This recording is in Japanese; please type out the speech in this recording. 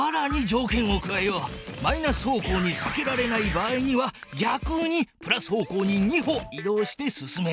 マイナス方向にさけられない場合にはぎゃくにプラス方向に２歩い動して進め！